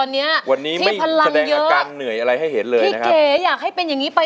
เอาให้ได้หนึ่งแข็งให้ไป